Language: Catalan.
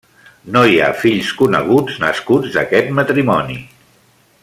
No hi ha fills coneguts nascuts d'aquest matrimoni.